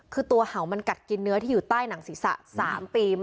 คือตัวเห่ามันกัดกินเนื้อที่อยู่ใต้หนังศีรษะ๓ปี